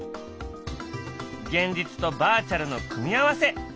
現実とバーチャルの組み合わせ。